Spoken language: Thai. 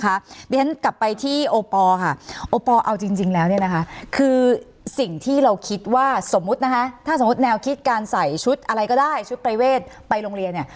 เพราะฉะนั้นกลับไปที่โอปอลค่ะโอปอลเอาจริงแล้วเนี่ยนะคะคือสิ่งที่เราคิดว่าสมมุตินะคะถ้าสมมุติแนวคิดการใส่ชุดอะไรก็ได้ชุดประเวทไปโรงเรียนเนี่ย